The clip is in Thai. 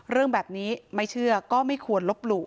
เรื่องแบบนี้ไม่เชื่อก็ไม่ควรลบหลู่